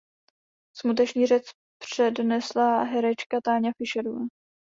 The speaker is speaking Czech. Smuteční řeč přednesla herečka Táňa Fischerová.